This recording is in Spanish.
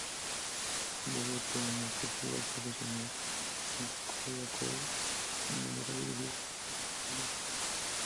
Debutó en el fútbol profesional en Colo-Colo, en donde era dirigido por Claudio Borghi.